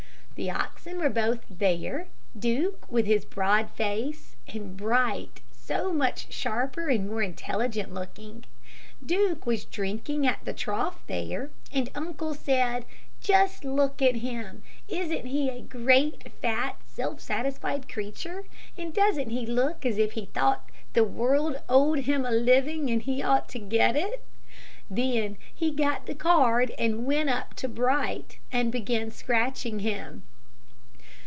The oxen were both there, Duke with his broad face, and Bright so much sharper and more intelligent looking. Duke was drinking at the trough there, and uncle said: 'Just look at him. Isn't he a great, fat, self satisfied creature, and doesn't he look as if he thought the world owed him a living, and he ought to get it?' Then he got the card and went up to Bright, and began scratching him.